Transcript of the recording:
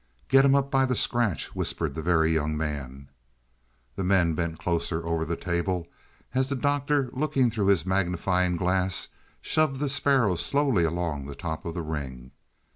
"Get him up by the scratch," whispered the Very Young Man. The men bent closer over the table, as the Doctor looking through his magnifying glass shoved the sparrow slowly along the top of the ring.